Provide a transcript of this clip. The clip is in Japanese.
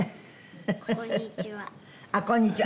あっこんにちは。